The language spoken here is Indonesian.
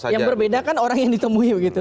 yang berbeda kan orang yang ditemui begitu